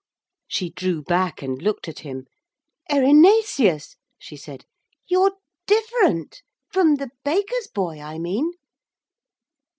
She drew back and looked at him. 'Erinaceus,' she said, 'you're different from the baker's boy I mean.'